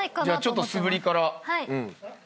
ちょっと素振りから。